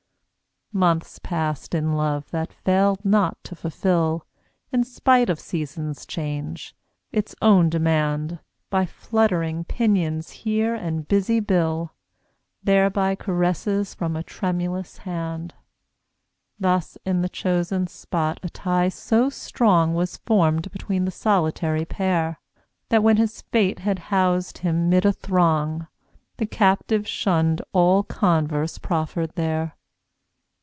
Months passed in love that failed not to fulfil, In spite of season's change, its own demand, By fluttering pinions here and busy bill; There by caresses from a tremulous hand. Thus in the chosen spot a tie so strong Was formed between the solitary pair, That when his fate had housed him 'mid a throng The Captive shunned all converse proffered there.